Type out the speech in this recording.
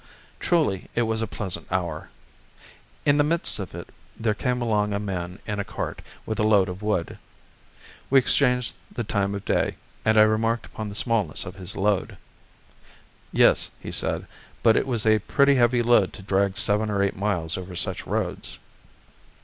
Truly it was a pleasant hour. In the midst of it there came along a man in a cart, with a load of wood. We exchanged the time of day, and I remarked upon the smallness of his load. Yes, he said; but it was a pretty heavy load to drag seven or eight miles over such roads.